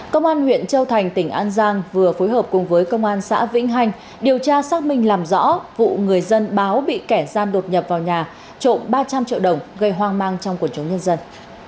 công an huyện châu thành tỉnh an giang vừa phối hợp cùng với công an xã vĩnh hành điều tra xác minh làm rõ vụ người dân báo bị kẻ gian đột nhập vào nhà trộm ba trăm linh triệu đồng gây hoang mang trong quần chống nhân dân